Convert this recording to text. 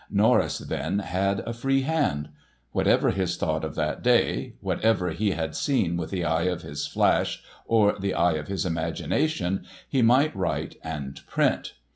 Norris, then, had a free hand. Whatever his thought of that day, whatever he had seen with the eye of his flash or the eye of his imagination, he might write and print.